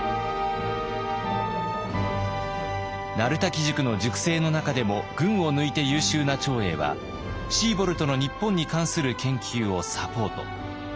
鳴滝塾の塾生の中でも群を抜いて優秀な長英はシーボルトの日本に関する研究をサポート。